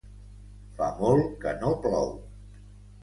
Fa molt que no plou.